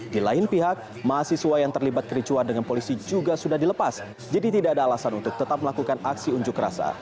di lain pihak mahasiswa yang terlibat kericuan dengan polisi juga sudah dilepas jadi tidak ada alasan untuk tetap melakukan aksi unjuk rasa